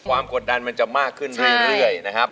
กดดันมันจะมากขึ้นเรื่อยนะครับ